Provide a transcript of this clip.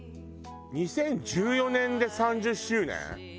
２０１４年で３０周年？